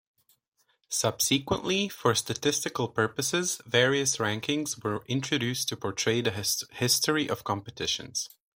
Subsequently, for statistical purposes, various rankings were introduced to portray the history of competitions.